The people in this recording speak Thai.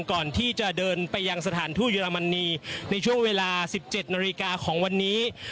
ก่อนที่จะเดินไปยังสถานทูตเยอรมนีในช่วงเวลา๑๗นาฬิกาของวันนี้